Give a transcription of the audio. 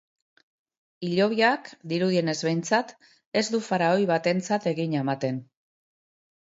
Hilobiak, dirudienez behintzat, ez du faraoi batentzat egina ematen.